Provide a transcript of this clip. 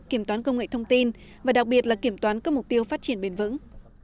kiểm toán công nghệ thông tin và đặc biệt là kiểm toán các mục tiêu phát triển bền vững